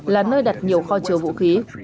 là nơi đặt nhiều kho chứa vũ khí